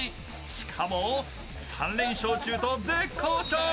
しかも３連勝中と絶好調。